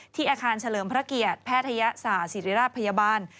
อาคารเฉลิมพระเกียรติแพทยศาสตร์ศิริราชพยาบาล